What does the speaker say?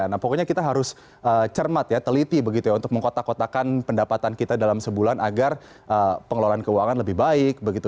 nah pokoknya kita harus cermat ya teliti begitu ya untuk mengkotak kotakan pendapatan kita dalam sebulan agar pengelolaan keuangan lebih baik begitu